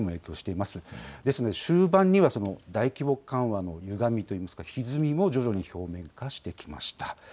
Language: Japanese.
ですので、終盤には大規模緩和のゆがみといいますか、ひずみも徐々に表面化してきました。